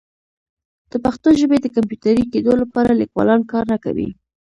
د پښتو ژبې د کمپیوټري کیدو لپاره لیکوالان کار نه کوي.